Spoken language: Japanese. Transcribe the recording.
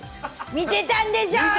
見てたんでしょ。